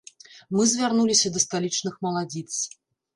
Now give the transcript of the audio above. Мы звярнуліся да сталічных маладзіц.